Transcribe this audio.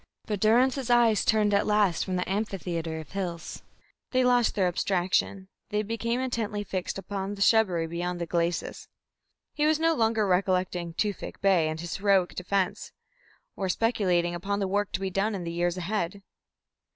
But Durrance's eyes turned at last from the amphitheatre of hills; they lost their abstraction, they became intently fixed upon the shrubbery beyond the glacis. He was no longer recollecting Tewfik Bey and his heroic defence, or speculating upon the work to be done in the years ahead.